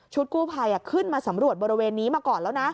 กู้ภัยขึ้นมาสำรวจบริเวณนี้มาก่อนแล้วนะ